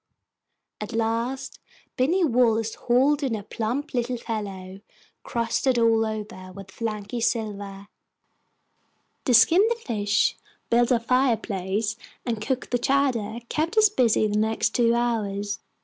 At last Binny Wallace hauled in a plump little fellow crusted all over with flaky silver. To skin the fish, build our fireplace, and cook the chowder kept us busy the next two hours.